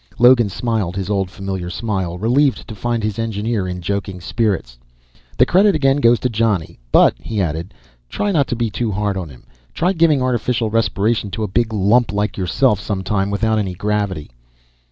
Logan smiled his old familiar smile, relieved to find his engineer in joking spirits. "The credit again goes to Johnny. But," he added, "try not to be too hard on him. Try giving artificial respiration to a big lump like yourself sometime, without any gravity."